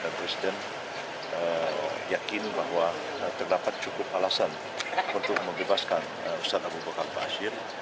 dan presiden yakin bahwa terdapat cukup alasan untuk membebaskan ustaz abu bakar ba'asyir